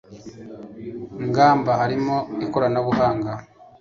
ngamba harimo ikoranabuhanga